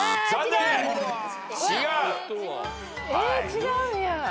違うんや。